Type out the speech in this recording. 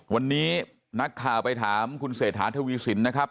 วันนี้นักข่าวไปถามคุณเศรษฐาทวีสินนะครับ